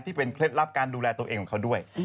เคล็ดลับการดูแลตัวเองของเขาด้วย